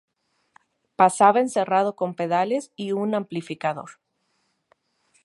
Pasaba encerrado con pedales y un amplificador.